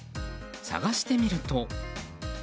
探してみると。